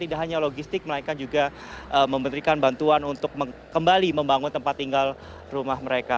tidak hanya logistik mereka juga memberikan bantuan untuk kembali membangun tempat tinggal rumah mereka